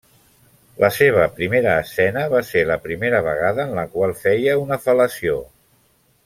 La seva primera escena va ser la primera vegada en la qual feia una fel·lació.